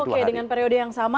oke dengan periode yang sama